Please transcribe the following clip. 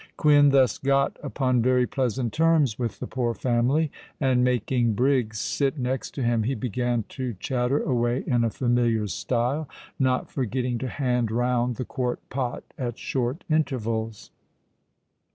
Quin thus got upon very pleasant terms with the poor family; and, making Briggs sit next to him, he began to chatter away in a familiar style, not forgetting to hand round the quart pot at short intervals.